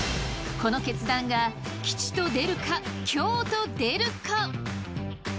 この決断が吉と出るか凶と出るか？